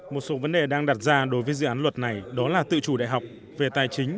một số vấn đề đang đặt ra đối với dự án luật này đó là tự chủ đại học về tài chính